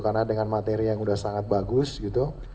karena dengan materi yang udah sangat bagus gitu